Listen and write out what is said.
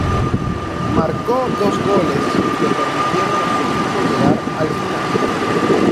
Marcó dos goles que permitieron a su equipo llegar al final.